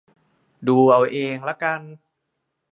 ดูเอาเองละกัน